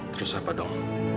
terus apa dong